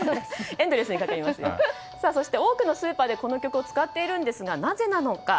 そして多くのスーパーでこの曲を使っているんですがなぜなのか。